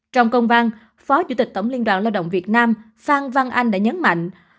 trong công văn phó chủ tịch tổng liên đoàn lao động việt nam phan văn anh đã nhấn mạnh